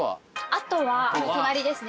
あとは隣ですね